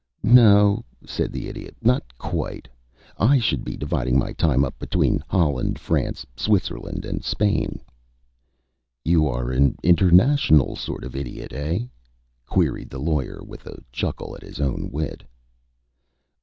"No," said the Idiot. "Not quite. I should be dividing my time up between Holland, France, Switzerland, and Spain." "You are an international sort of Idiot, eh?" queried the Lawyer, with a chuckle at his own wit.